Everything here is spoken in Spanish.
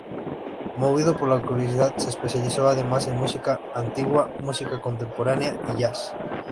Movido por la curiosidad, se especializó además en música antigua, música contemporánea y jazz.